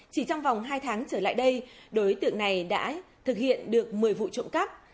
chỉ trong vòng hai tháng trở lại đây đối tượng này đã thực hiện được một mươi vụ trộm cắp